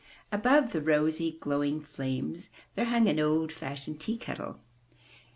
Above the rosy, glowing flames there hung an old fashioned tea kettle.